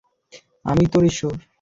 আমিই তোর ঈশ্বর।